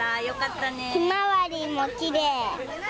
ひまわりもきれい。